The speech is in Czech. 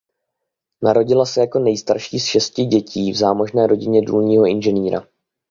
Narodila se jako nejstarší z šesti dětí v zámožné rodině důlního inženýra.